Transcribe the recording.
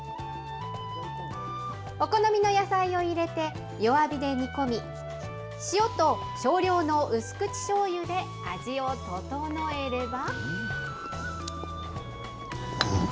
お好みの野菜を入れて、弱火で煮込み、塩と少量の薄口しょうゆで味を調えれば。